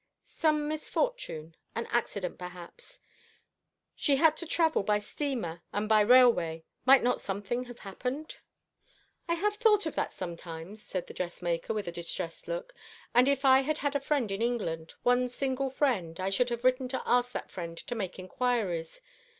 "Some misfortune; an accident, perhaps. She had to travel by steamer and by railway. Might not something have happened?" "I have thought of that sometimes," said the dressmaker, with a distressed look, "and if I had had a friend in England one single friend I should have written to ask that friend to make inquiries.